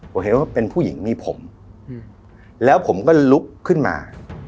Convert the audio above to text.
ผมเห็นว่าเป็นผู้หญิงมีผมแล้วผมก็ลุกขึ้นมา